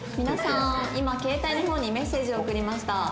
「皆さん今携帯の方にメッセージを送りました」